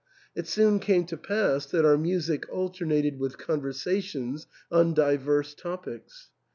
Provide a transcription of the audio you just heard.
It soon came to pass that our music alter nated with conversations on divers topics.